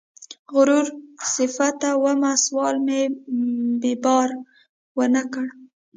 غرور صفته ومه سوال مې په بار، بار ونه کړ